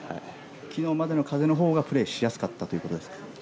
昨日までの風のほうがプレーしやすかったということですか？